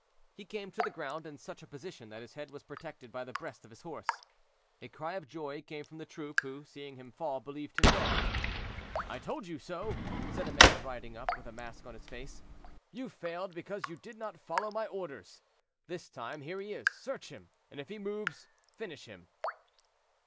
He came to the ground in such a position that his head was protected by the breast of his horse. A cry of joy came from the troop, who, seeing him fall, believed him dead. "I told you so," said a man, riding up, with a mask on his face; "you failed because you did not follow my orders. This time, here he is; search him, and if he moves, finish him."